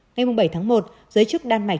ngày bảy tháng một giới chức đan mạch